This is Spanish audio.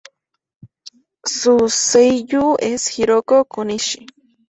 Su seiyū es Hiroko Konishi.